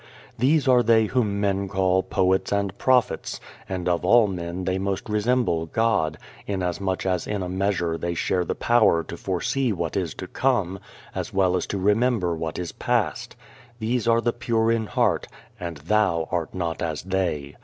These are they whom men call poets and prophets, and of all men they most resemble God, inas much as in a measure they share the power to foresee what is to come, as well as to remember what is past. These are the pure in heart, and thou art not as they.